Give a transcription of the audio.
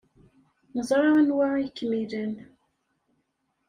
Neẓra anwa ay kem-ilan.